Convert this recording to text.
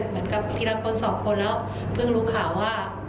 เหมือนกับที่รักคนสองคนแล้วเพิ่งรู้ข่าวว่า